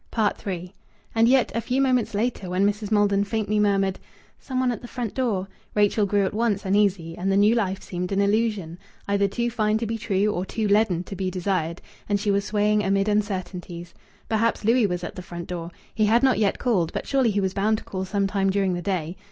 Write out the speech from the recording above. III And yet, a few moments later, when Mrs. Maldon faintly murmured, "Some one at the front door," Rachel grew at once uneasy, and the new life seemed an illusion either too fine to be true or too leaden to be desired; and she was swaying amid uncertainties. Perhaps Louis was at the front door. He had not yet called; but surely he was bound to call some time during the day!